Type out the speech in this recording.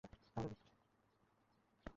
আমাদের বিক্রম কত কামায়, রূপালি?